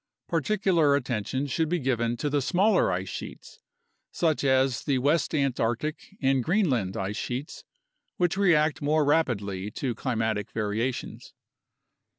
Particular attention should be given to the smaller ice sheets, such as the West Antarctic and Greenland ice sheets, which react more rapidly to climatic variations.